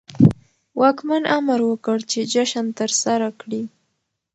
واکمن امر وکړ چې جشن ترسره کړي.